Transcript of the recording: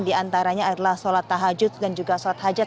diantaranya adalah sholat tahajud dan juga sholat hajat